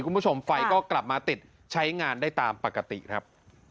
คุณผู้ชมไฟก็กลับมาติดใช้งานได้ตามปกติครับ